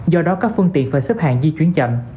do đó các phương tiện phải xếp hàng di chuyển chậm